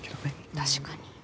確かに。